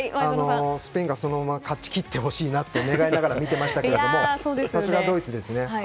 スペインがそのまま勝ち切ってほしいなと願いながら見てましたがさすがドイツですね。